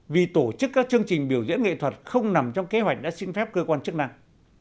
vì tổ chức các chương trình biểu diễn nghệ thuật không nằm trong kế hoạch đã xin phép cơ quan chức năng